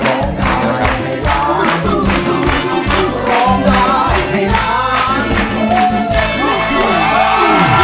ร้องได้ครับ